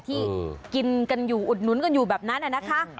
ที่กินกันอยู่อุดหนุนกันอยู่แบบนั้นนะคะ